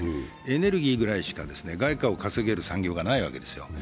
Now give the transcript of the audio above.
エネルギーぐらいしか外貨を稼げる産業がないわけですよ。